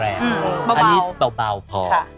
อันนี้เบาเพราะ